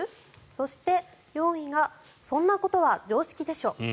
そして、４位がそんなことは常識でしょ。